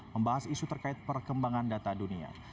membahas isu terkait perkembangan data dunia